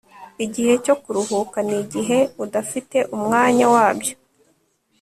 Igihe cyo kuruhuka ni igihe udafite umwanya wabyo